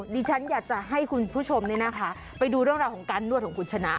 ดิฉันอยากจะให้คุณผู้ชมไปดูเรื่องราวของการนวดของคุณชนะ